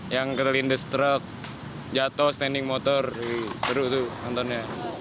yang terlindes truk jatuh standing motor seru tuh nontonnya